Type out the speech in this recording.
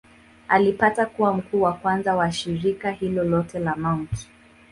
Alipata kuwa mkuu wa kwanza wa shirika hilo lote la Mt.